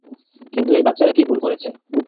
কিন্তু এই বাচ্চারা কী ভুল করেছে?